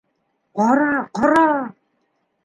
Ҡара, ҡара!